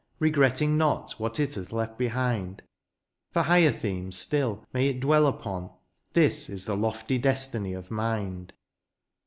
Regretting not what it hath left behind ; For higher themes still may it dwell upon — This is the lofty destiny of mind